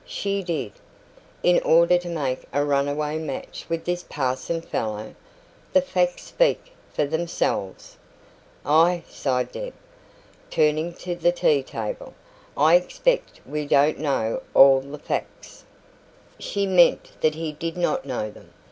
"She did." "In order to make a runaway match with this parson fellow. The facts speak for themselves." "Ah!" sighed Deb, turning to the tea table, "I expect we don't know all the facts." She meant that he did not know them.